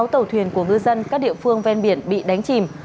bảy mươi sáu tàu thuyền của ngư dân các địa phương ven biển bị đánh chìm